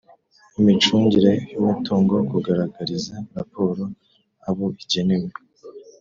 imicungire y'umutungo, kugaragariza raporo abo igenewe,